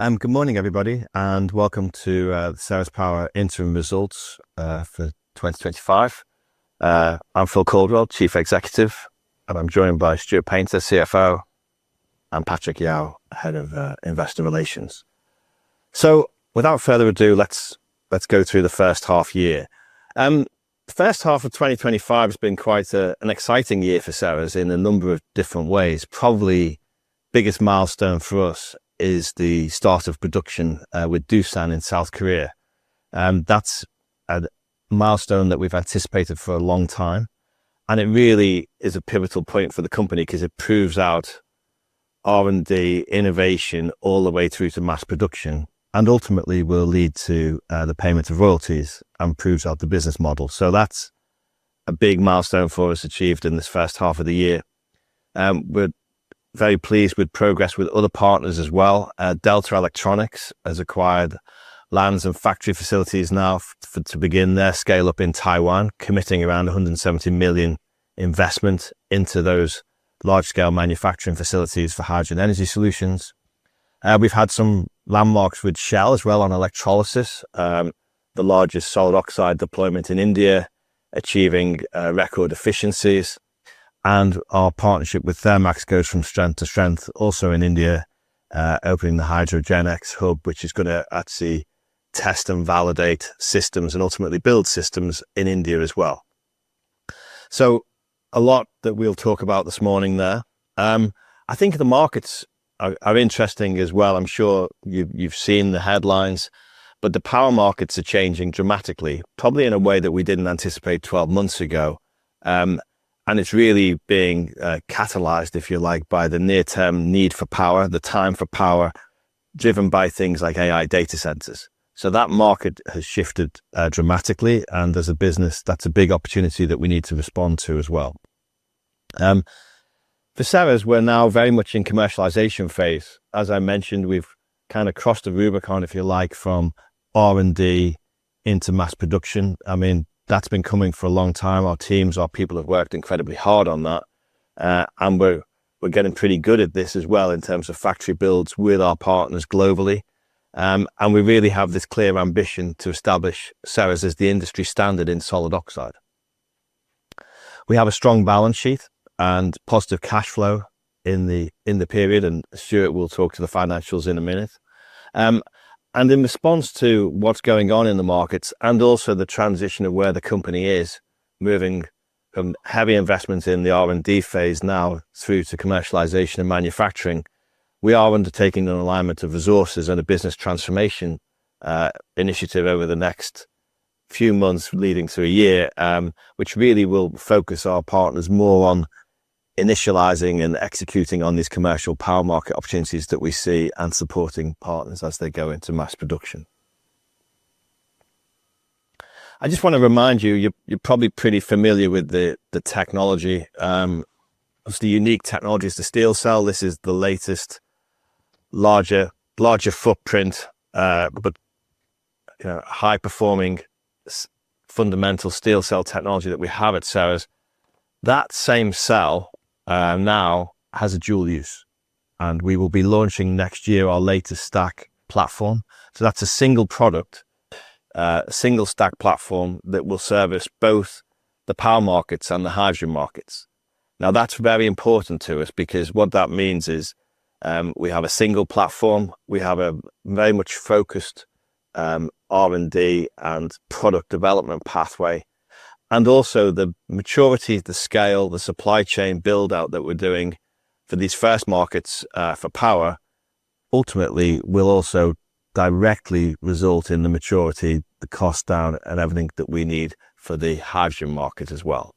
Good morning, everybody, and welcome to the Ceres Power interim results for 2025. I'm Phil Caldwell, Chief Executive, and I'm joined by Stuart Paynter, Chief Financial Officer, and Patrick Yau, Head of Investor Relations. Without further ado, let's go through the first half year. The first half of 2025 has been quite an exciting year for Ceres in a number of different ways. Probably the biggest milestone for us is the start of production with Doosan in South Korea. That's a milestone that we've anticipated for a long time, and it really is a pivotal point for the company because it proves out R&D innovation all the way through to mass production and ultimately will lead to the payment of royalties and proves out the business model. That's a big milestone for us achieved in this first half of the year. We're very pleased with progress with other partners as well. Delta Electronics has acquired land and factory facilities now to begin their scale-up in Taiwan, committing around 170 million investment into those large-scale manufacturing facilities for hydrogen energy solutions. We've had some landmarks with Shell as well on electrolysis, the largest solid oxide deployment in India, achieving record efficiencies. Our partnership with Thermax goes from strength to strength also in India, opening the [Hydrogen X] hub, which is going to actually test and validate systems and ultimately build systems in India as well. There's a lot that we'll talk about this morning there. I think the markets are interesting as well. I'm sure you've seen the headlines, but the power markets are changing dramatically, probably in a way that we didn't anticipate 12 months ago. It's really being catalyzed, if you like, by the near-term need for power, the time for power, driven by things like AI-driven data centers. That market has shifted dramatically, and as a business, that's a big opportunity that we need to respond to as well. For Ceres, we're now very much in the commercialization phase. As I mentioned, we've kind of crossed the Rubicon, if you like, from R&D into mass production. That's been coming for a long time. Our teams, our people have worked incredibly hard on that. We're getting pretty good at this as well in terms of factory builds with our partners globally. We really have this clear ambition to establish Ceres as the industry standard in solid oxide. We have a strong balance sheet and positive cash flow in the period, and Stuart will talk to the financials in a minute. In response to what's going on in the markets and also the transition of where the company is, moving from heavy investments in the R&D phase now through to commercialization and manufacturing, we are undertaking an alignment of resources and a business transformation initiative over the next few months leading to a year, which really will focus our partners more on initializing and executing on these commercial power market opportunities that we see and supporting partners as they go into mass production. I just want to remind you, you're probably pretty familiar with the technology. It's the unique technology, the steel cell. This is the latest, larger footprint, but you know, high-performing fundamental steel cell technology that we have at Ceres. That same cell now has a dual use, and we will be launching next year our latest stack platform. That's a single product, a single stack platform that will service both the power markets and the hydrogen markets. That's very important to us because what that means is we have a single platform, we have a very much focused R&D and product development pathway, and also the maturity, the scale, the supply chain build-out that we're doing for these first markets for power ultimately will also directly result in the maturity, the cost down, and everything that we need for the hydrogen market as well.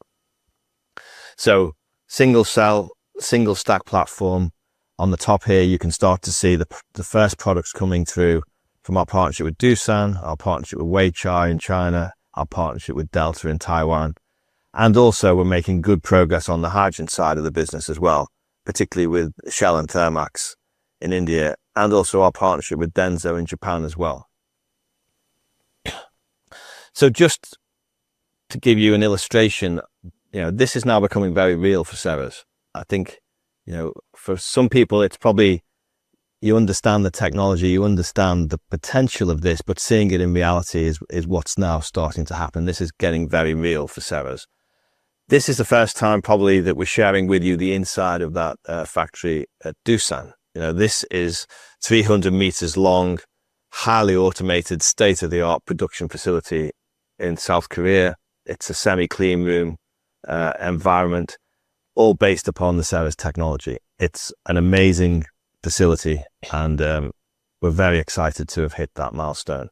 Single cell, single stack platform on the top here, you can start to see the first products coming through from our partnership with Doosan, our partnership with WEICHAI in China, our partnership with Delta in Taiwan, and also we're making good progress on the hydrogen side of the business as well, particularly with Shell and Thermax in India, and also our partnership with DENSO in Japan as well. Just to give you an illustration, this is now becoming very real for Ceres. I think, for some people, it's probably you understand the technology, you understand the potential of this, but seeing it in reality is what's now starting to happen. This is getting very real for Ceres. This is the first time probably that we're sharing with you the inside of that factory at Doosan. This is 300 m long, highly automated, state-of-the-art production facility in South Korea. It's a semi-clean room environment, all based upon the Ceres technology. It's an amazing facility, and we're very excited to have hit that milestone.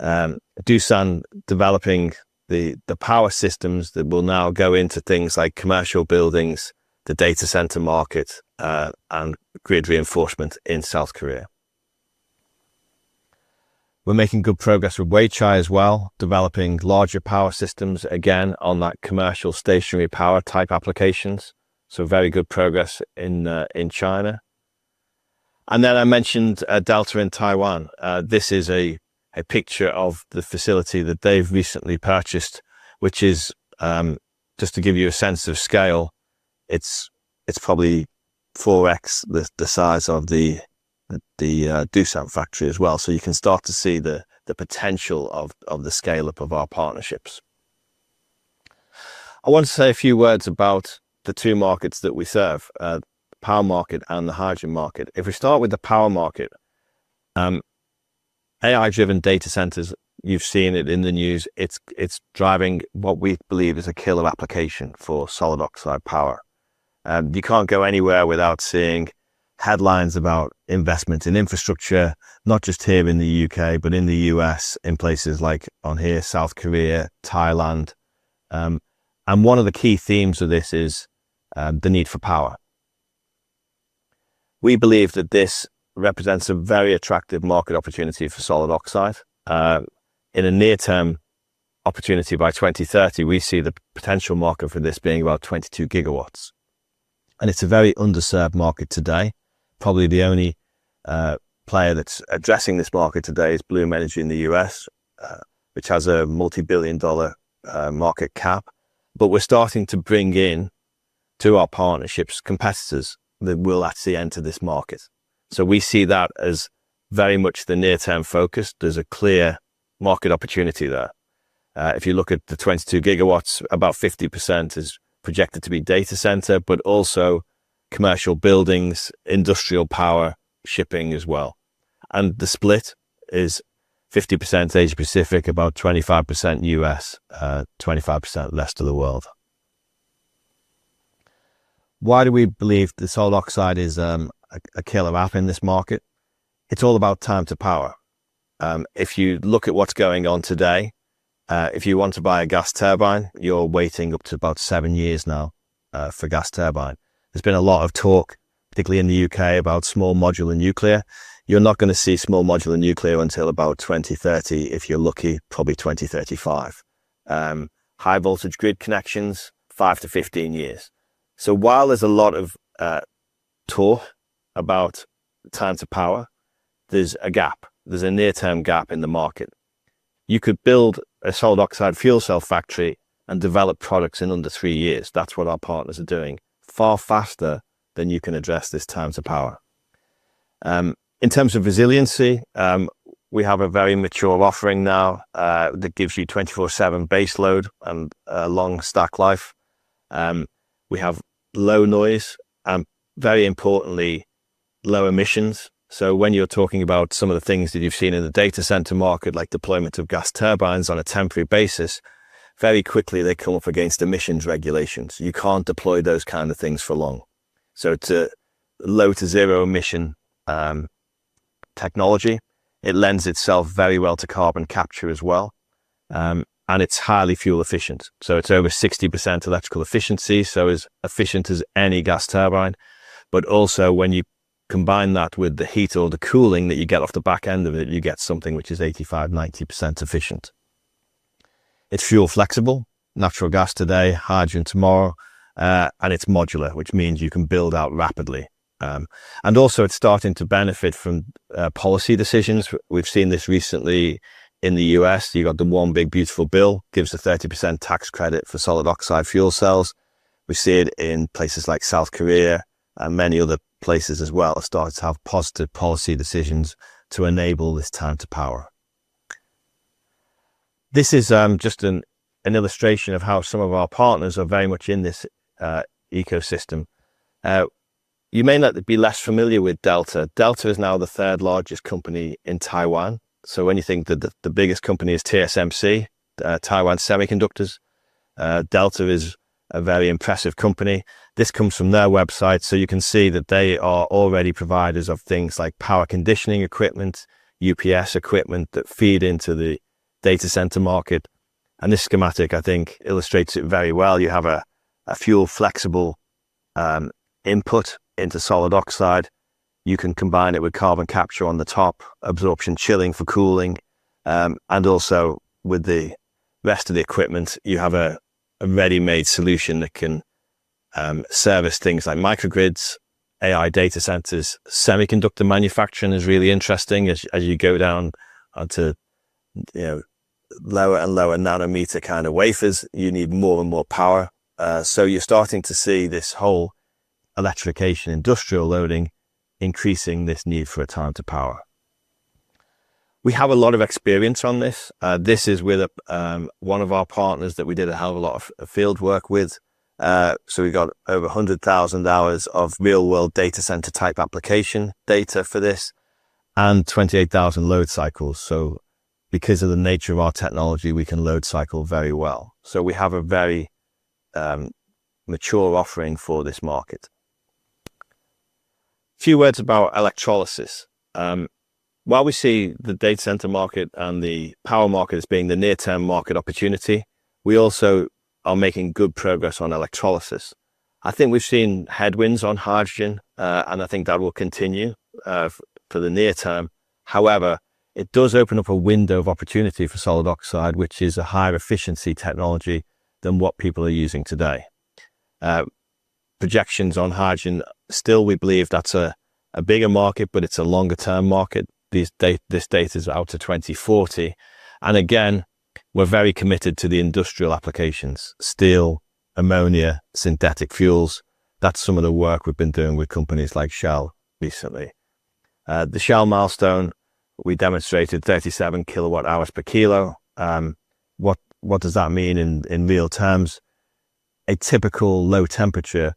Doosan developing the power systems that will now go into things like commercial buildings, the data center markets, and grid reinforcement in South Korea. We're making good progress with WEICHAI as well, developing larger power systems again on that commercial stationary power type applications. Very good progress in China. I mentioned Delta in Taiwan. This is a picture of the facility that they've recently purchased, which is just to give you a sense of scale. It's probably 4x the size of the Doosan factory as well. You can start to see the potential of the scale-up of our partnerships. I want to say a few words about the two markets that we serve: the power market and the hydrogen market. If we start with the power market, AI-driven data centers, you've seen it in the news. It's driving what we believe is a killer application for solid oxide power. You can't go anywhere without seeing headlines about investment in infrastructure, not just here in the U.K., but in the U.S., in places like here, South Korea, Thailand. One of the key themes of this is the need for power. We believe that this represents a very attractive market opportunity for solid oxide. In a near-term opportunity by 2030, we see the potential market for this being about 22 GW. It's a very underserved market today. Probably the only player that's addressing this market today is Bloom Energy in the U.S., which has a multi-billion dollar market cap. We're starting to bring in, through our partnerships, competitors that will actually enter this market. We see that as very much the near-term focus. There's a clear market opportunity there. If you look at the 22 GW, about 50% is projected to be data center, but also commercial buildings, industrial power, shipping as well. The split is 50% Asia-Pacific, about 25% U.S., 25% the rest of the world. Why do we believe that solid oxide is a killer app in this market? It's all about time to power. If you look at what's going on today, if you want to buy a gas turbine, you're waiting up to about seven years now for gas turbine. There's been a lot of talk, particularly in the U.K., about small modular nuclear. You're not going to see small modular nuclear until about 2030. If you're lucky, probably 2035. High voltage grid connections, five to 15 years. While there's a lot of talk about time to power, there's a gap. There's a near-term gap in the market. You could build a solid oxide fuel cell factory and develop products in under three years. That's what our partners are doing, far faster than you can address this time to power. In terms of resiliency, we have a very mature offering now that gives you 24/7 base load and a long stack life. We have low noise and, very importantly, low emissions. When you're talking about some of the things that you've seen in the data center market, like deployment of gas turbines on a temporary basis, very quickly they come up against emissions regulations. You can't deploy those kinds of things for long. It's a low to zero emission technology. It lends itself very well to carbon capture as well, and it's highly fuel efficient. It's over 60% electrical efficiency, as efficient as any gas turbine. When you combine that with the heat or the cooling that you get off the back end of it, you get something which is 85%, 90% efficient. It's fuel flexible, natural gas today, hydrogen tomorrow, and it's modular, which means you can build out rapidly. It's starting to benefit from policy decisions. We've seen this recently in the U.S. You've got the one big beautiful bill, gives a 30% tax credit for solid oxide fuel cells. We see it in places like South Korea, and many other places as well have started to have positive policy decisions to enable this time to power. This is just an illustration of how some of our partners are very much in this ecosystem. You may not be less familiar with Delta. Delta is now the third largest company in Taiwan. When you think that the biggest company is TSMC, Taiwan Semiconductors, Delta is a very impressive company. This comes from their website, so you can see that they are already providers of things like power conditioning equipment, UPS equipment that feed into the data center market. This schematic, I think, illustrates it very well. You have a fuel flexible input into solid oxide. You can combine it with carbon capture on the top, absorption chilling for cooling, and with the rest of the equipment, you have a ready-made solution that can service things like microgrids, AI-driven data centers. Semiconductor manufacturing is really interesting as you go down onto lower and lower nanometer kind of wafers. You need more and more power. You're starting to see this whole electrification industrial loading increasing this need for a time to power. We have a lot of experience on this. This is with one of our partners that we did a hell of a lot of field work with. We got over 100,000 hours of real-world data center type application data for this and 28,000 load cycles. Because of the nature of our technology, we can load cycle very well. We have a very mature offering for this market. A few words about electrolysis. While we see the data center market and the power market as being the near-term market opportunity, we also are making good progress on electrolysis. I think we've seen headwinds on hydrogen, and I think that will continue for the near term. However, it does open up a window of opportunity for solid oxide, which is a higher efficiency technology than what people are using today. Projections on hydrogen, still we believe that's a bigger market, but it's a longer-term market. This data is out to 2040. We're very committed to the industrial applications, steel, ammonia, synthetic fuels. That's some of the work we've been doing with companies like Shell recently. The Shell milestone, we demonstrated 37 kWh per kilo. What does that mean in real terms? A typical low-temperature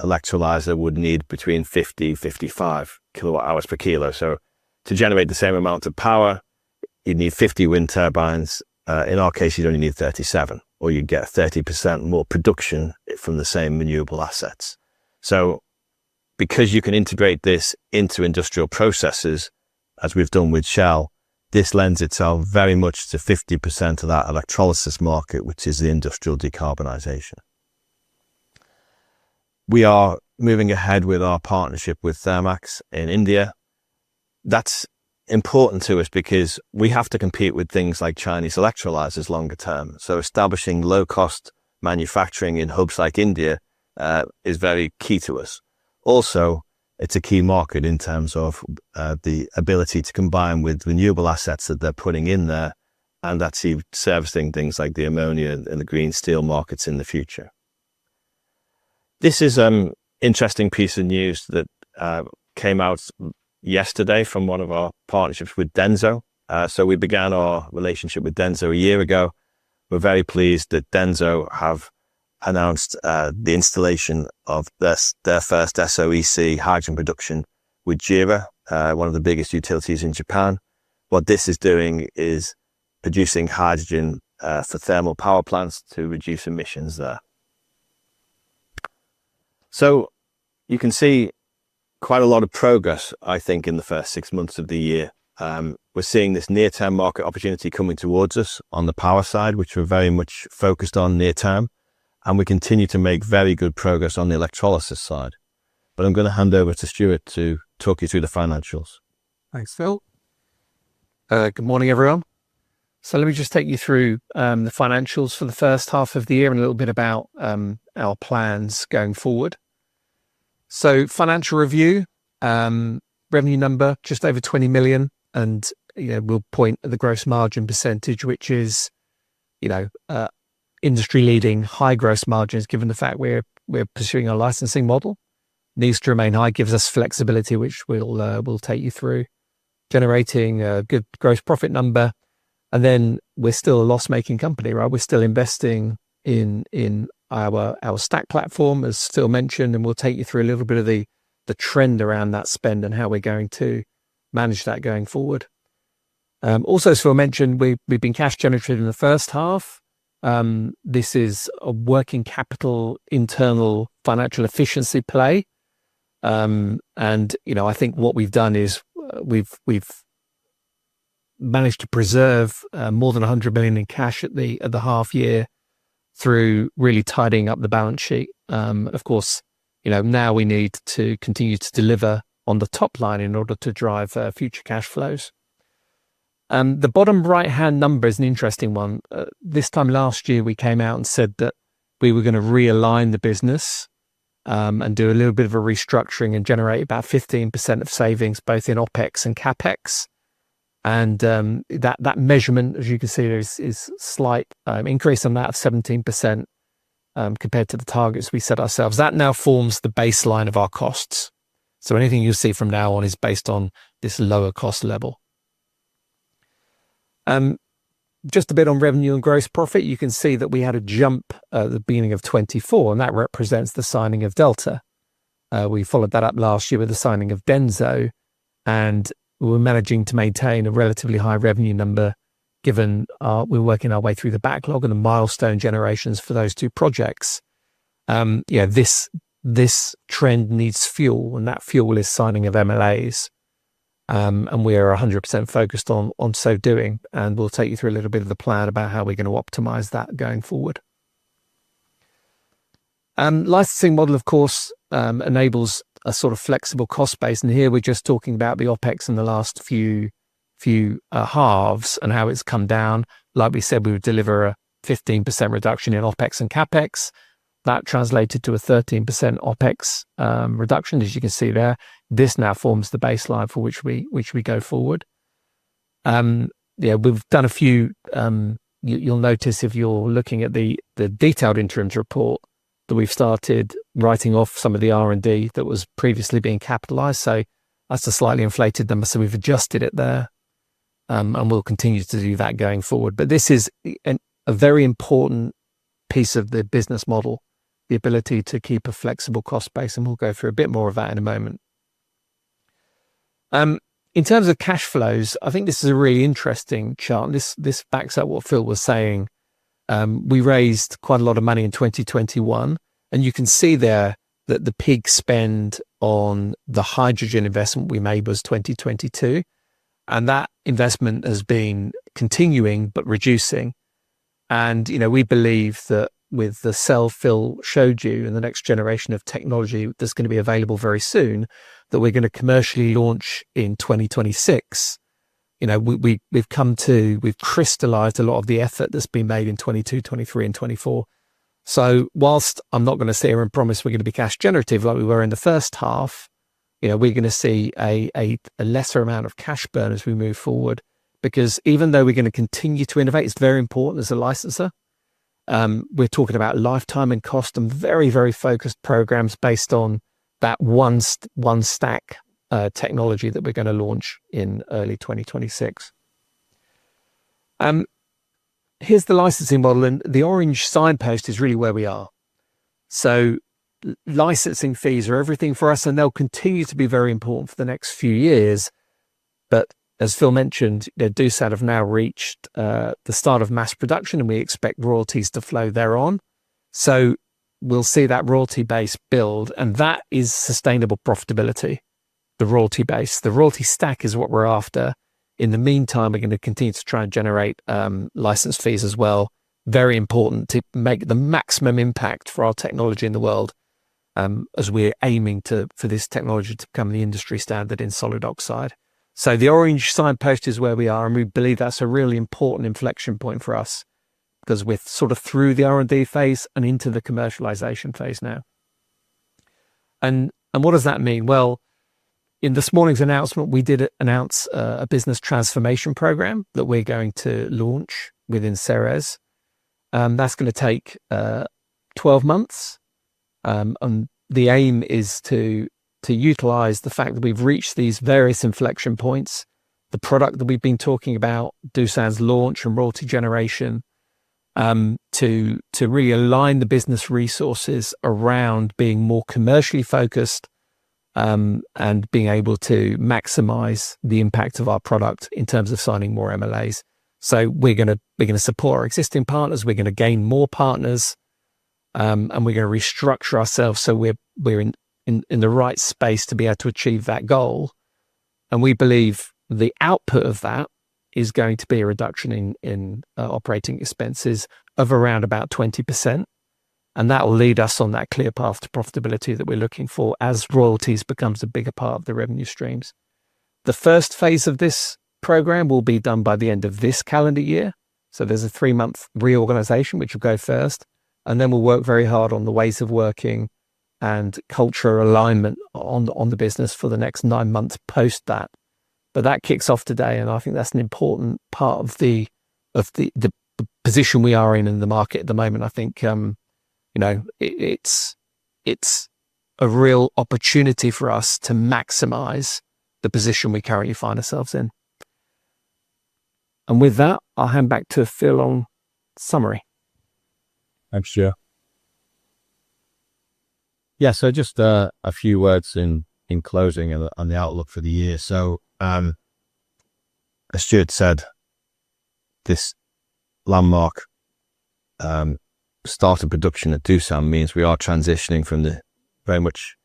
electrolyzer would need between 50 kWh and 55 kWh per kilo. To generate the same amount of power, you'd need 50 wind turbines. In our case, you'd only need 37, or you'd get 30% more production from the same renewable assets. Because you can integrate this into industrial processes, as we've done with Shell, this lends itself very much to 50% of that electrolysis market, which is the industrial decarbonization. We are moving ahead with our partnership with Thermax in India. That's important to us because we have to compete with things like Chinese electrolysers longer term. Establishing low-cost manufacturing in hubs like India is very key to us. Also, it's a key market in terms of the ability to combine with renewable assets that they're putting in there, and that's servicing things like the ammonia and the green steel markets in the future. This is an interesting piece of news that came out yesterday from one of our partnerships with DENSO. We began our relationship with DENSO a year ago. We're very pleased that DENSO has announced the installation of their first solid oxide electrolysis cell hydrogen production with JERA, one of the biggest utilities in Japan. What this is doing is producing hydrogen for thermal power plants to reduce emissions there. You can see quite a lot of progress, I think, in the first six months of the year. We're seeing this near-term market opportunity coming towards us on the power side, which we're very much focused on near term, and we continue to make very good progress on the electrolysis side. I'm going to hand over to Stuart to talk you through the financials. Thanks, Phil. Good morning, everyone. Let me just take you through the financials for the first half of the year and a little bit about our plans going forward. Financial review, revenue number just over 20 million, and we'll point at the gross margin percentage, which is industry-leading high gross margins given the fact we're pursuing a licensing model. It needs to remain high, gives us flexibility, which we'll take you through, generating a good gross profit number. We're still a loss-making company, right? We're still investing in our stack platform, as Phil mentioned, and we'll take you through a little bit of the trend around that spend and how we're going to manage that going forward. Also, as Phil mentioned, we've been cash-generative in the first half. This is a working capital internal financial efficiency play. I think what we've done is we've managed to preserve more than 100 million in cash at the half year through really tidying up the balance sheet. Of course, now we need to continue to deliver on the top line in order to drive future cash flows. The bottom right-hand number is an interesting one. This time last year, we came out and said that we were going to realign the business and do a little bit of a restructuring and generate about 15% of savings, both in OpEx and CapEx. That measurement, as you can see, is a slight increase on that, 17% compared to the targets we set ourselves. That now forms the baseline of our costs. Anything you'll see from now on is based on this lower cost level. Just a bit on revenue and gross profit, you can see that we had a jump at the beginning of 2024, and that represents the signing of Delta. We followed that up last year with the signing of DENSO, and we're managing to maintain a relatively high revenue number given we're working our way through the backlog and the milestone generations for those two projects. This trend needs fuel, and that fuel is signing of manufacturing license agreements, and we are 100% focused on so doing. We'll take you through a little bit of the plan about how we're going to optimize that going forward. Licensing model, of course, enables a sort of flexible cost base. Here we're just talking about the OpEx in the last few halves and how it's come down. Like we said, we would deliver a 15% reduction in OpEx and CapEx. That translated to a 13% OpEx reduction, as you can see there. This now forms the baseline for which we go forward. We've done a few, you'll notice if you're looking at the detailed interims report that we've started writing off some of the R&D that was previously being capitalized. That's a slightly inflated number, so we've adjusted it there, and we'll continue to do that going forward. This is a very important piece of the business model, the ability to keep a flexible cost base, and we'll go through a bit more of that in a moment. In terms of cash flows, I think this is a really interesting chart. This backs up what Phil was saying. We raised quite a lot of money in 2021, and you can see there that the peak spend on the hydrogen investment we made was 2022. That investment has been continuing but reducing. We believe that with the cell Phil showed you and the next generation of technology that's going to be available very soon, that we're going to commercially launch in 2026. We've crystallized a lot of the effort that's been made in 2022, 2023, and 2024. Whilst I'm not going to sit here and promise we're going to be cash generative like we were in the first half, we're going to see a lesser amount of cash burn as we move forward because even though we're going to continue to innovate, it's very important as a licenser. We're talking about lifetime and cost and very, very focused programs based on that single stack platform that we're going to launch in early 2026. Here's the licensing model, and the orange signpost is really where we are. Licensing fees are everything for us, and they'll continue to be very important for the next few years. As Phil mentioned, Doosan have now reached the start of mass production, and we expect royalties to flow thereon. We'll see that royalty base build, and that is sustainable profitability, the royalty base. The royalty stack is what we're after. In the meantime, we're going to continue to try and generate license fees as well. It's very important to make the maximum impact for our technology in the world as we're aiming for this technology to become the industry standard in solid oxide. The orange signpost is where we are, and we believe that's a really important inflection point for us because we're sort of through the R&D phase and into the commercialization phase now. What does that mean? In this morning's announcement, we did announce a business transformation program that we're going to launch within Ceres. That's going to take 12 months, and the aim is to utilize the fact that we've reached these various inflection points, the product that we've been talking about, Doosan's launch and royalty generation, to really align the business resources around being more commercially focused and being able to maximize the impact of our product in terms of signing more MLAs. We're going to support our existing partners, we're going to gain more partners, and we're going to restructure ourselves so we're in the right space to be able to achieve that goal. We believe the output of that is going to be a reduction in operating expenses of around about 20%. That will lead us on that clear path to profitability that we're looking for as royalties become a bigger part of the revenue streams. The first phase of this program will be done by the end of this calendar year. There's a three-month reorganization which will go first, and then we'll work very hard on the ways of working and culture alignment on the business for the next nine months post that. That kicks off today, and I think that's an important part of the position we are in in the market at the moment. I think, you know, it's a real opportunity for us to maximize the position we currently find ourselves in. With that, I'll hand back to Phil on summary. Thanks, Stuart. Yeah, just a few words in closing on the outlook for the year. As Stuart said, this landmark start of production at Doosan means we are transitioning from the very much,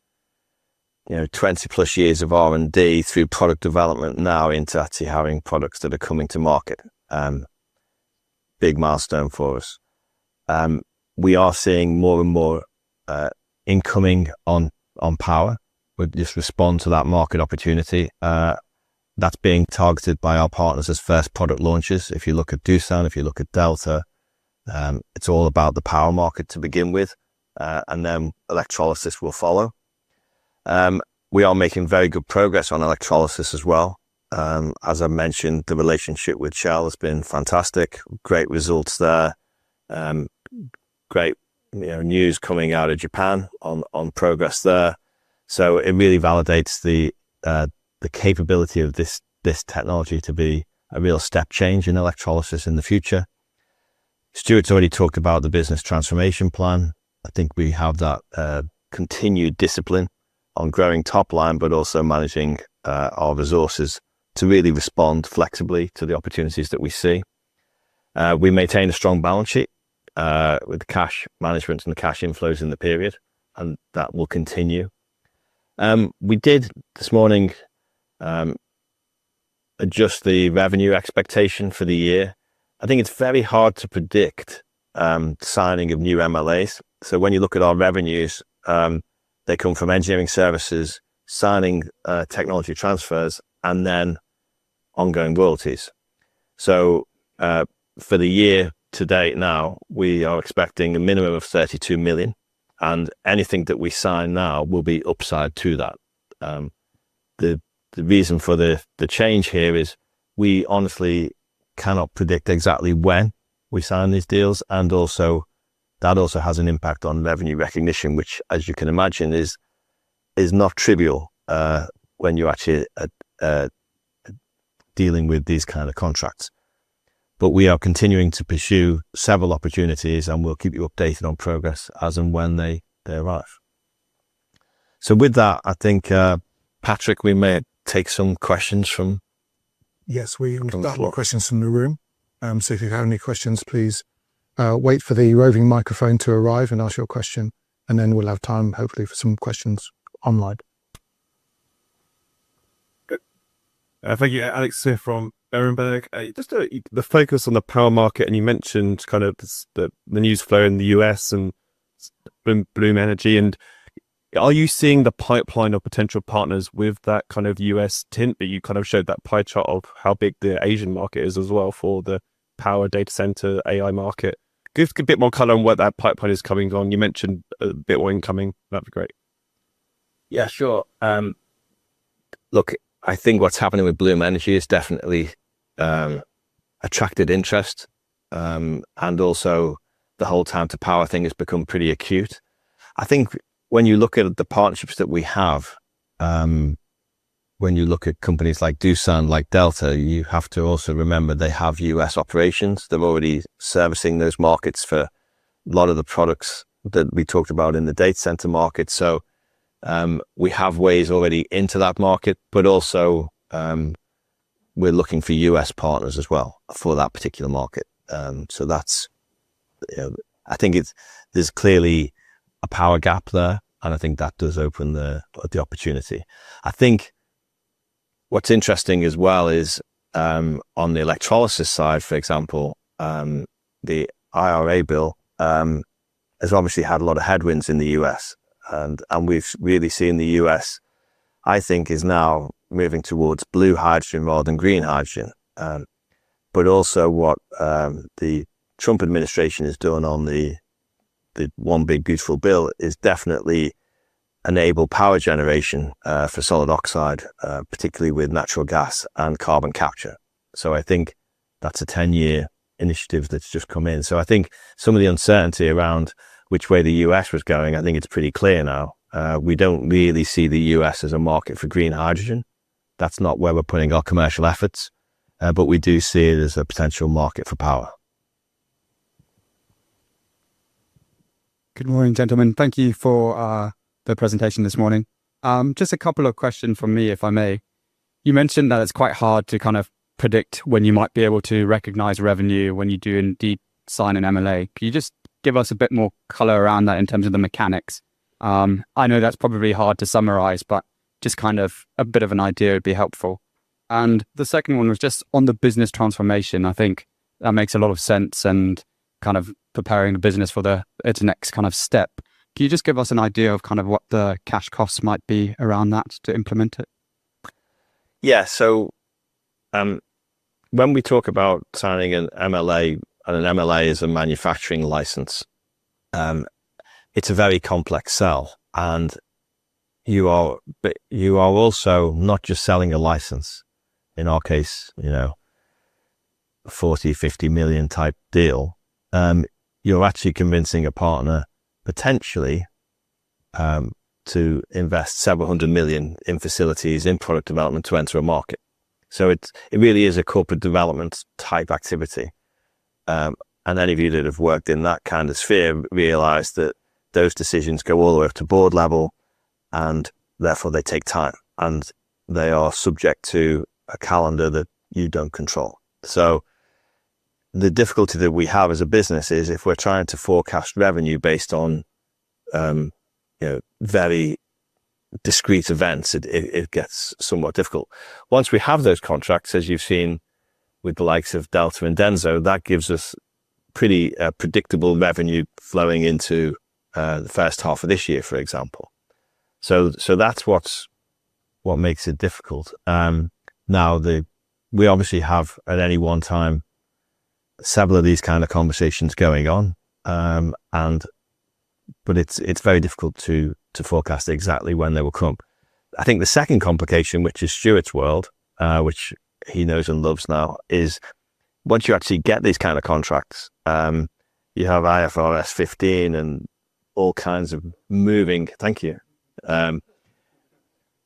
you know, 20+ years of R&D through product development now into actually having products that are coming to market. Big milestone for us. We are seeing more and more incoming on power. We'll just respond to that market opportunity. That's being targeted by our partners as first product launches. If you look at Doosan, if you look at Delta, it's all about the power market to begin with, and then electrolysis will follow. We are making very good progress on electrolysis as well. As I mentioned, the relationship with Shell has been fantastic. Great results there. Great, you know, news coming out of Japan on progress there. It really validates the capability of this technology to be a real step change in electrolysis in the future. Stuart's already talked about the business transformation plan. I think we have that continued discipline on growing top line, but also managing our resources to really respond flexibly to the opportunities that we see. We maintain a strong balance sheet with cash management and the cash inflows in the period, and that will continue. We did this morning adjust the revenue expectation for the year. I think it's very hard to predict the signing of new MLAs. When you look at our revenues, they come from engineering services, signing technology transfers, and then ongoing royalties. For the year to date now, we are expecting a minimum of 32 million, and anything that we sign now will be upside to that. The reason for the change here is we honestly cannot predict exactly when we sign these deals, and also that also has an impact on revenue recognition, which, as you can imagine, is not trivial when you're actually dealing with these kinds of contracts. We are continuing to pursue several opportunities, and we'll keep you updated on progress as and when they arrive. With that, I think, Patrick, we may take some questions from. Yes, we've got a lot of questions from the room. If you have any questions, please wait for the roving microphone to arrive and ask your question, and then we'll have time, hopefully, for some questions online. Thank you, Alex, here from Berenberg. Just the focus on the power market, and you mentioned kind of the news flow in the U.S. and Bloom Energy. Are you seeing the pipeline of potential partners with that kind of U.S. tint that you showed, that pie chart of how big the Asian market is as well for the power data center AI market? Give a bit more color on what that pipeline is coming on. You mentioned a bit more incoming. That'd be great. Yeah. Sure. Look, I think what's happening with Bloom Energy has definitely attracted interest, and also the whole time to power thing has become pretty acute. I think when you look at the partnerships that we have, when you look at companies like Doosan, like Delta, you have to also remember they have U.S. operations. They're already servicing those markets for a lot of the products that we talked about in the data center market. We have ways already into that market, but also we're looking for U.S. partners as well for that particular market. I think there's clearly a power gap there, and I think that does open the opportunity. I think what's interesting as well is on the electrolysis side, for example, the IRA bill has obviously had a lot of headwinds in the U.S., and we've really seen the U.S., I think, is now moving towards blue hydrogen rather than green hydrogen. Also, what the Trump administration has done on the one big beautiful bill is definitely enable power generation for solid oxide, particularly with natural gas and carbon capture. I think that's a 10-year initiative that's just come in. Some of the uncertainty around which way the U.S. was going, I think it's pretty clear now. We don't really see the U.S. as a market for green hydrogen. That's not where we're putting our commercial efforts, but we do see it as a potential market for power. Good morning, gentlemen. Thank you for the presentation this morning. Just a couple of questions from me, if I may. You mentioned that it's quite hard to kind of predict when you might be able to recognize revenue when you do indeed sign an MLA. Can you just give us a bit more color around that in terms of the mechanics? I know that's probably hard to summarize, but just kind of a bit of an idea would be helpful. The second one was just on the business transformation. I think that makes a lot of sense and kind of preparing the business for its next kind of step. Can you just give us an idea of kind of what the cash costs might be around that to implement it? Yeah, so when we talk about signing an MLA, and an MLA is a manufacturing license, it's a very complex sell. You are also not just selling a license, in our case, you know, 40 million, 50 million type deal. You're actually convincing a partner potentially to invest several hundred million in facilities, in product development to enter a market. It really is a corporate development type activity. Any of you that have worked in that kind of sphere realize that those decisions go all the way up to board level, and therefore they take time, and they are subject to a calendar that you don't control. The difficulty that we have as a business is if we're trying to forecast revenue based on, you know, very discrete events, it gets somewhat difficult. Once we have those contracts, as you've seen with the likes of Delta and DENSO, that gives us pretty predictable revenue flowing into the first half of this year, for example. That's what makes it difficult. We obviously have at any one time several of these kinds of conversations going on, but it's very difficult to forecast exactly when they will come. I think the second complication, which is Stuart's world, which he knows and loves now, is once you actually get these kinds of contracts, you have IFRS 15 and all kinds of moving, thank you,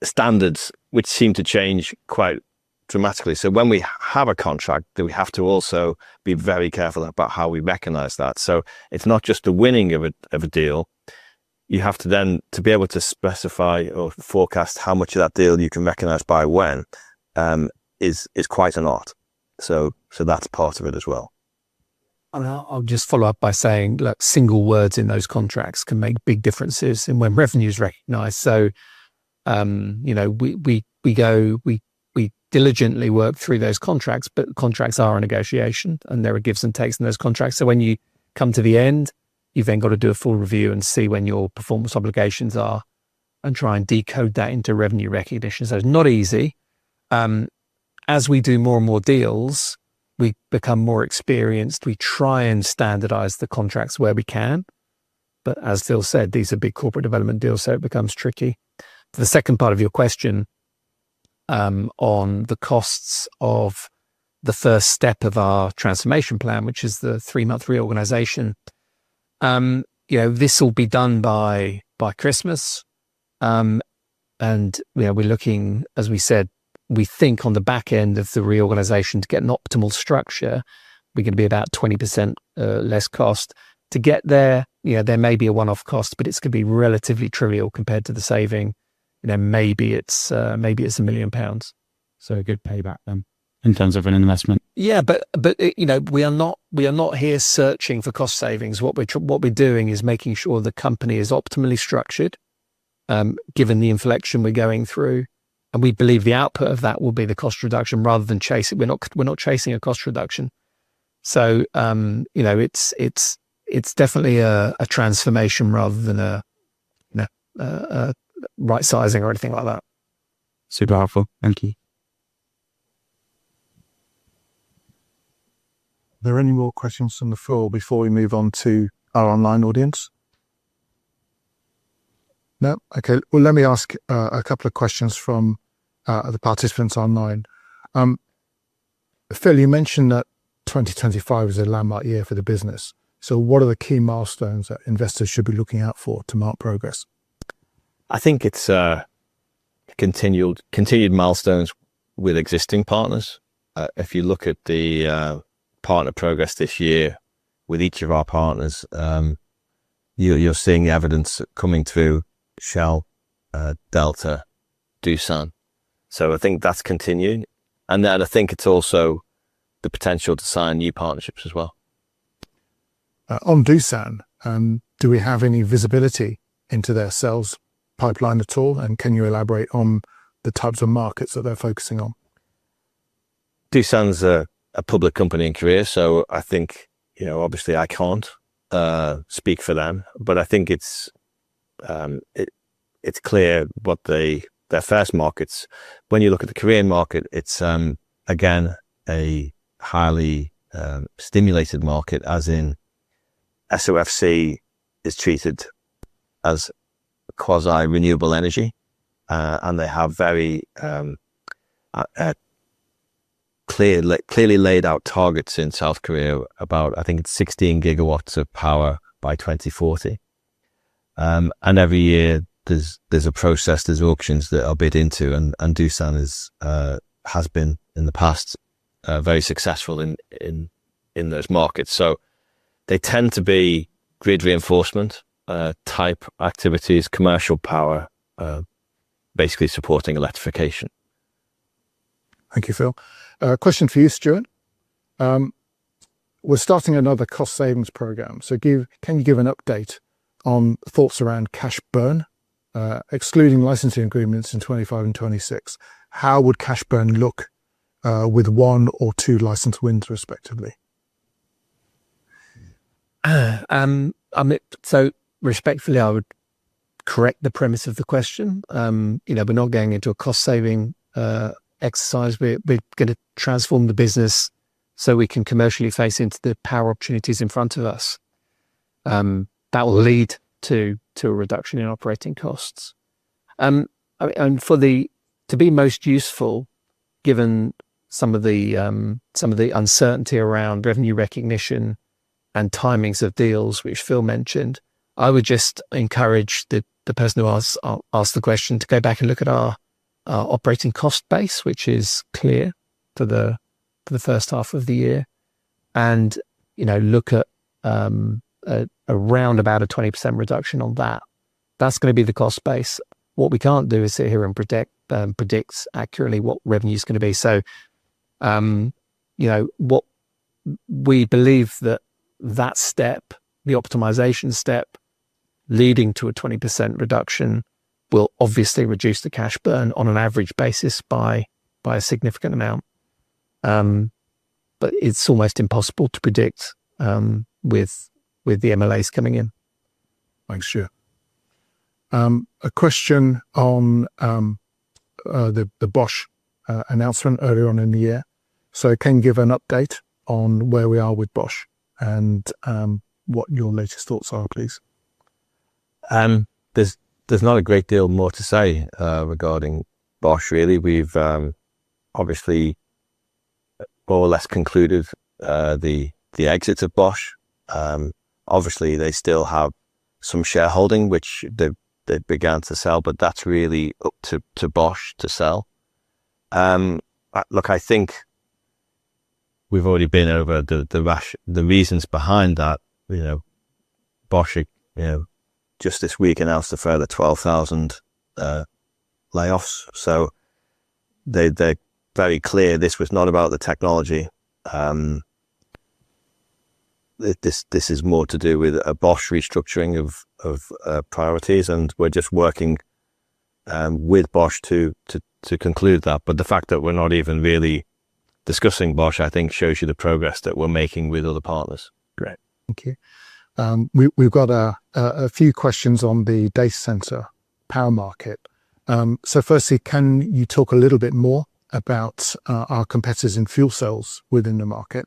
standards which seem to change quite dramatically. When we have a contract, we have to also be very careful about how we recognize that. It's not just the winning of a deal. You have to then be able to specify or forecast how much of that deal you can recognize by when, is quite an art. That's part of it as well. I'll just follow up by saying, look, single words in those contracts can make big differences in when revenue is recognized. We diligently work through those contracts, but contracts are a negotiation, and there are gives and takes in those contracts. When you come to the end, you've then got to do a full review and see when your performance obligations are and try and decode that into revenue recognition. It's not easy. As we do more and more deals, we become more experienced. We try and standardize the contracts where we can, but as Phil said, these are big corporate development deals, so it becomes tricky. For the second part of your question on the costs of the first step of our transformation plan, which is the three-month reorganization, this will be done by Christmas. We're looking, as we said, we think on the back end of the reorganization to get an optimal structure, we can be about 20% less cost. To get there, there may be a one-off cost, but it's going to be relatively trivial compared to the saving. Maybe it's 1 million pounds. A good payback then in terms of an investment. Yeah, we are not here searching for cost savings. What we're doing is making sure the company is optimally structured, given the inflection we're going through. We believe the output of that will be the cost reduction rather than chase it. We're not chasing a cost reduction. It's definitely a transformation rather than a right sizing or anything like that. Super helpful. Thank you. Are there any more questions from the floor before we move on to our online audience? No, okay. Let me ask a couple of questions from the participants online. Phil, you mentioned that 2025 is a landmark year for the business. What are the key milestones that investors should be looking out for to mark progress? I think it's continued milestones with existing partners. If you look at the partner progress this year with each of our partners, you're seeing the evidence coming through Shell, Delta, Doosan. I think that's continuing. I think it's also the potential to sign new partnerships as well. On Doosan, do we have any visibility into their sales pipeline at all? Can you elaborate on the types of markets that they're focusing on? Doosan's a public company in South Korea, so I think, you know, obviously I can't speak for them, but I think it's clear what their first markets. When you look at the Korean market, it's again a highly stimulated market, as in SOFC is treated as quasi-renewable energy, and they have very clearly laid out targets in South Korea about, I think it's 16 GW of power by 2040. Every year there's a process, there's auctions that are bid into, and Doosan has been in the past very successful in those markets. They tend to be grid reinforcement type activities, commercial power, basically supporting electrification. Thank you, Phil. Question for you, Stuart. We're starting another cost savings program. Can you give an update on thoughts around cash burn, excluding licensing agreements in 2025 and 2026? How would cash burn look with one or two license wins respectively? Respectfully, I would correct the premise of the question. We're not going into a cost-saving exercise. We're going to transform the business so we can commercially face into the power opportunities in front of us. That will lead to a reduction in operating costs. For this to be most useful, given some of the uncertainty around revenue recognition and timings of deals, which Phil mentioned, I would just encourage the person who asked the question to go back and look at our operating cost base, which is clear for the first half of the year, and look at a roundabout 20% reduction on that. That's going to be the cost base. What we can't do is sit here and predict accurately what revenue is going to be. We believe that that step, the optimization step leading to a 20% reduction, will obviously reduce the cash burn on an average basis by a significant amount. It's almost impossible to predict with the manufacturing license agreements coming in. Thanks, Stuart. A question on the Bosch announcement earlier in the year. Can you give an update on where we are with Bosch and what your latest thoughts are, please? There's not a great deal more to say regarding Bosch, really. We've obviously more or less concluded the exit of Bosch. They still have some shareholding, which they've begun to sell, but that's really up to Bosch to sell. I think we've already been over the reasons behind that. Bosch just this week announced a further 12,000 layoffs. They're very clear this was not about the technology. This is more to do with a Bosch restructuring of priorities, and we're just working with Bosch to conclude that. The fact that we're not even really discussing Bosch, I think, shows you the progress that we're making with other partners. Great. Thank you. We've got a few questions on the data center power market. Firstly, can you talk a little bit more about our competitors in fuel cells within the market?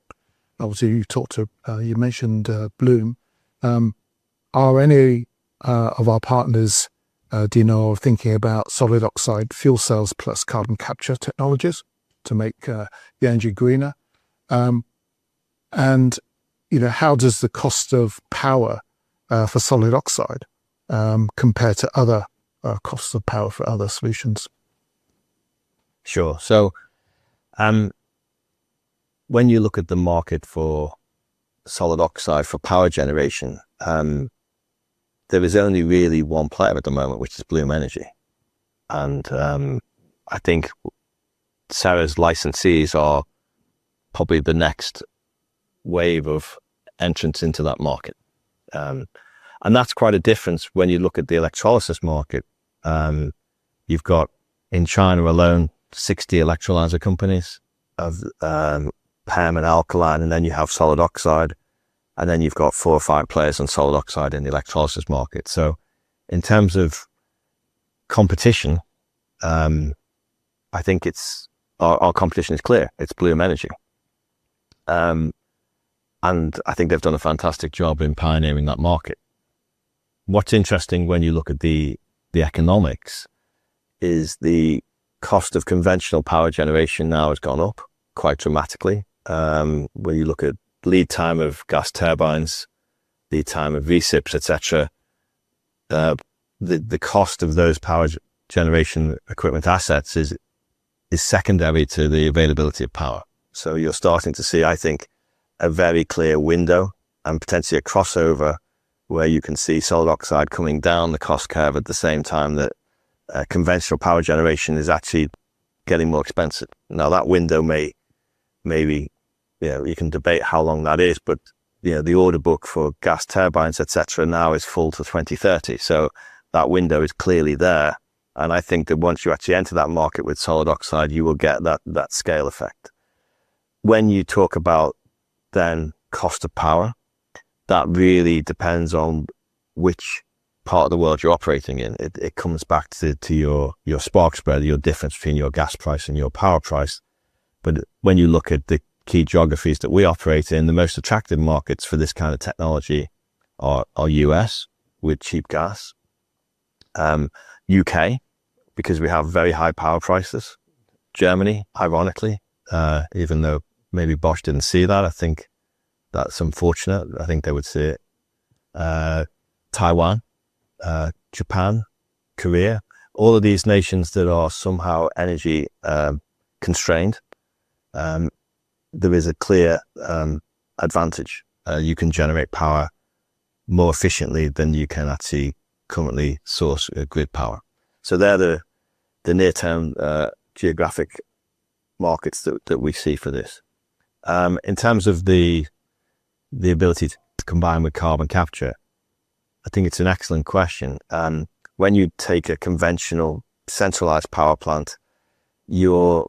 Obviously, you've talked to, you mentioned Bloom. Are any of our partners, do you know, thinking about solid oxide fuel cells plus carbon capture technologies to make the energy greener? You know, how does the cost of power for solid oxide compare to other costs of power for other solutions? Sure. When you look at the market for solid oxide for power generation, there is only really one player at the moment, which is Bloom Energy. I think Ceres' licensees are probably the next wave of entrants into that market. That is quite a difference when you look at the electrolysis market. In China alone, there are 60 electrolyser companies of PEM and alkaline, and then you have solid oxide, and then you've got four or five players in solid oxide in the electrolysis market. In terms of competition, I think our competition is clear. It's Bloom Energy. I think they've done a fantastic job in pioneering that market. What's interesting when you look at the economics is the cost of conventional power generation now has gone up quite dramatically. When you look at lead time of gas turbines, lead time of [V.C.I.P.S.], etc., the cost of those power generation equipment assets is secondary to the availability of power. You're starting to see, I think, a very clear window and potentially a crossover where you can see solid oxide coming down the cost curve at the same time that conventional power generation is actually getting more expensive. That window may be, you know, you can debate how long that is, but the order book for gas turbines, etc., now is full to 2030. That window is clearly there. I think that once you actually enter that market with solid oxide, you will get that scale effect. When you talk about cost of power, that really depends on which part of the world you're operating in. It comes back to your spark spread, your difference between your gas price and your power price. When you look at the key geographies that we operate in, the most attractive markets for this kind of technology are our U.S. with cheap gas, U.K. because we have very high power prices, Germany, ironically, even though maybe Bosch didn't see that. I think that's unfortunate. I think they would see it. Taiwan, Japan, Korea, all of these nations that are somehow energy-constrained, there is a clear advantage. You can generate power more efficiently than you can actually currently source grid power. They're the near-term geographic markets that we see for this. In terms of the ability to combine with carbon capture, I think it's an excellent question. When you take a conventional centralized power plant, your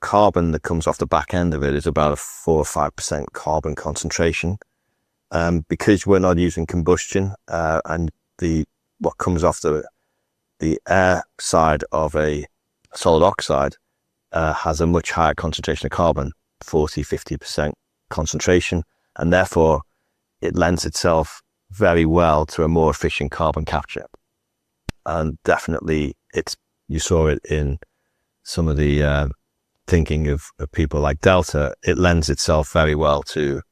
carbon that comes off the back end of it is about a 4% or 5% carbon concentration because we're not using combustion. What comes off the air side of a solid oxide has a much higher concentration of carbon, 40%-50% concentration. Therefore, it lends itself very well to a more efficient carbon capture. You saw it in some of the thinking of people like Delta. It lends itself very well to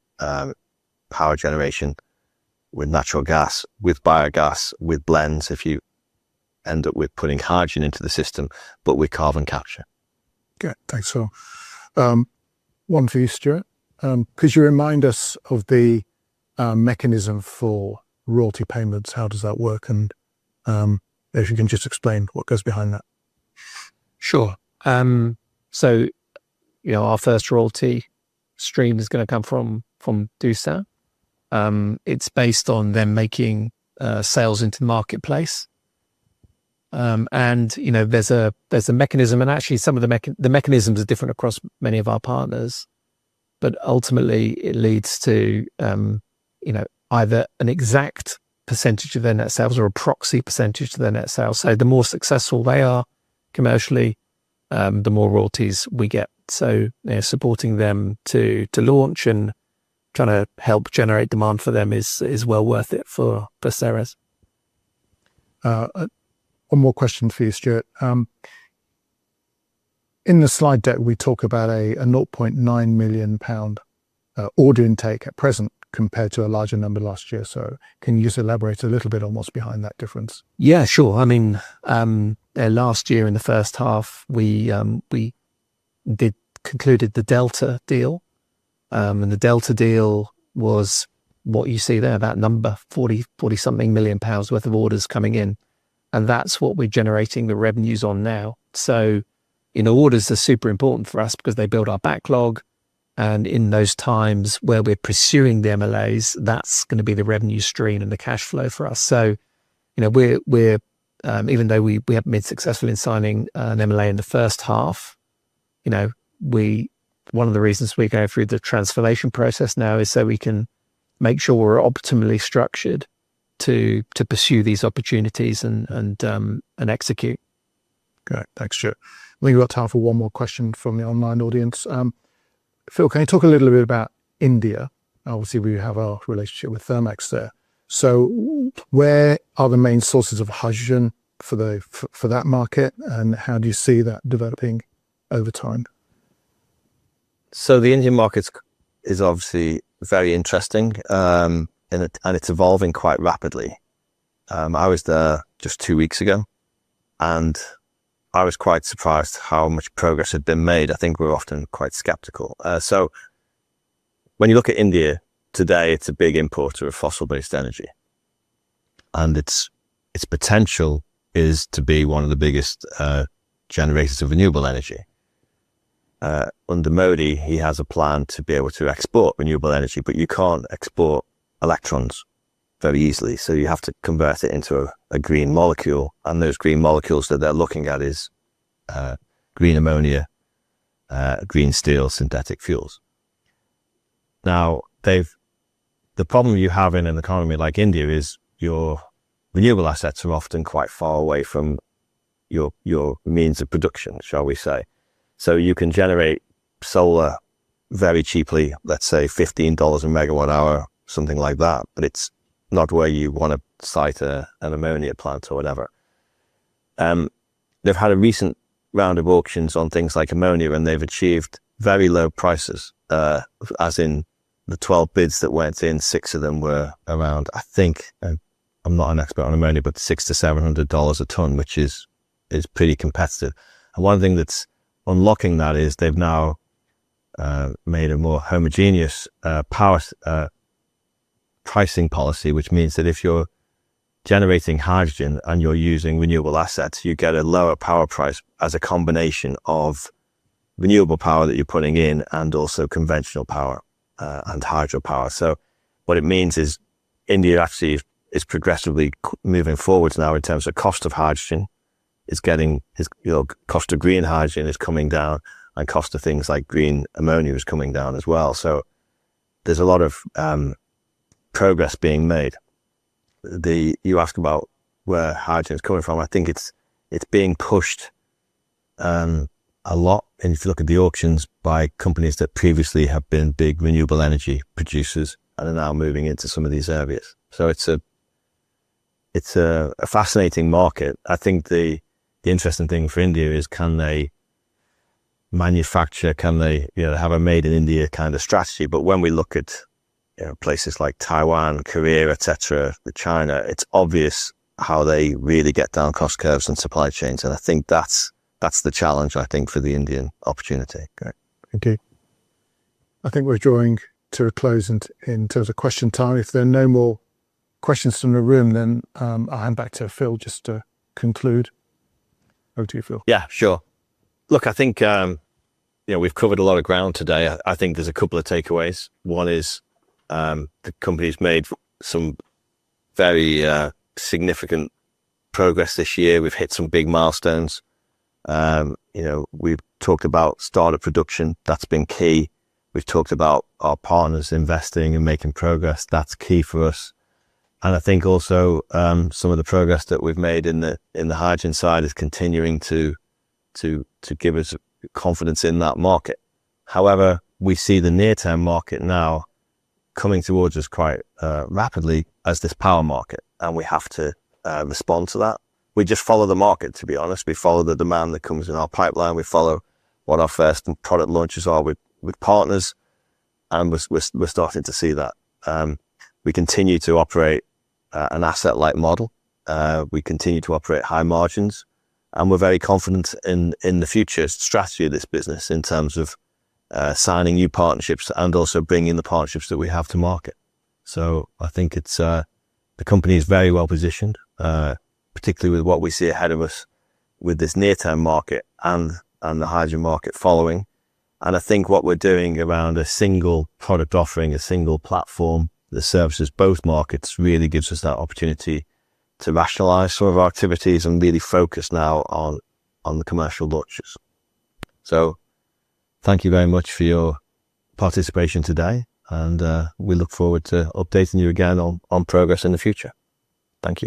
power generation with natural gas, with biogas, with blends if you end up with putting hydrogen into the system, but with carbon capture. Okay, thanks, Phil. One for you, Stuart, could you remind us of the mechanism for royalty payments? How does that work? If you can just explain what goes behind that. Sure. Our first royalty stream is going to come from Doosan. It's based on them making sales into the marketplace. There's a mechanism, and actually some of the mechanisms are different across many of our partners. Ultimately, it leads to either an exact pecent of their net sales or a proxy percent to their net sales. The more successful they are commercially, the more royalties we get. Supporting them to launch and trying to help generate demand for them is well worth it for Ceres. One more question for you, Stuart. In the slide deck, we talk about a 0.9 million pound order intake at present compared to a larger number last year. Can you just elaborate a little bit on what's behind that difference? Yeah, sure. I mean, last year in the first half, we concluded the Delta deal. The Delta deal was what you see there, that number, G40-something million worth of orders coming in. That's what we're generating the revenues on now. Orders are super important for us because they build our backlog. In those times where we're pursuing the MLAs, that's going to be the revenue stream and the cash flow for us. Even though we have been successful in signing an MLA in the first half, one of the reasons we go through the transformation process now is so we can make sure we're optimally structured to pursue these opportunities and execute. Great, thanks, Stuart. I think we've got time for one more question from the online audience. Phil, can you talk a little bit about India? Obviously, we have our relationship with Thermax there. Where are the main sources of hydrogen for that market, and how do you see that developing over time? The Indian market is obviously very interesting, and it's evolving quite rapidly. I was there just two weeks ago, and I was quite surprised how much progress had been made. I think we're often quite skeptical. When you look at India today, it's a big importer of fossil-based energy, and its potential is to be one of the biggest generators of renewable energy. Under Modi, he has a plan to be able to export renewable energy, but you can't export electrons very easily. You have to convert it into a green molecule, and those green molecules that they're looking at are green ammonia, green steel, synthetic fuels. The problem you have in an economy like India is your renewable assets are often quite far away from your means of production, shall we say. You can generate solar very cheaply, let's say $15 a megawatt hour, something like that, but it's not where you want to site an ammonia plant or whatever. They've had a recent round of auctions on things like ammonia, and they've achieved very low prices. As in the 12 bids that went in, six of them were around, I think, I'm not an expert on ammonia, but $600-$700 a ton, which is pretty competitive. One thing that's unlocking that is they've now made a more homogeneous power pricing policy, which means that if you're generating hydrogen and you're using renewable assets, you get a lower power price as a combination of renewable power that you're putting in and also conventional power and hydropower. What it means is India actually is progressively moving forwards now in terms of cost of hydrogen. It's getting, you know, cost of green hydrogen is coming down, and cost of things like green ammonia is coming down as well. There's a lot of progress being made. You ask about where hydrogen is coming from. I think it's being pushed a lot. If you look at the auctions by companies that previously have been big renewable energy producers and are now moving into some of these areas. It's a fascinating market. I think the interesting thing for India is can they manufacture, can they, you know, have a made-in-India kind of strategy. When we look at, you know, places like Taiwan, Korea, etc., China, it's obvious how they really get down cost curves and supply chains. I think that's the challenge, I think, for the Indian opportunity. Great. Thank you. I think we're drawing to a close in terms of question time. If there are no more questions from the room, then I'll hand back to Phil just to conclude. Over to you, Phil. Yeah, sure. Look, I think we've covered a lot of ground today. I think there's a couple of takeaways. One is the company's made some very significant progress this year. We've hit some big milestones. We've talked about startup production. That's been key. We've talked about our partners investing and making progress. That's key for us. I think also some of the progress that we've made in the hydrogen side is continuing to give us confidence in that market. However, we see the near-term market now coming towards us quite rapidly as this power market, and we have to respond to that. We just follow the market, to be honest. We follow the demand that comes in our pipeline. We follow what our first product launches are with partners, and we're starting to see that. We continue to operate an asset-light model. We continue to operate high margins, and we're very confident in the future strategy of this business in terms of signing new partnerships and also bringing in the partnerships that we have to market. I think the company is very well positioned, particularly with what we see ahead of us with this near-term market and the hydrogen market following. I think what we're doing around a single product offering, a single stack platform that services both markets really gives us that opportunity to rationalize some of our activities and really focus now on the commercial launches. Thank you very much for your participation today, and we look forward to updating you again on progress in the future. Thank you.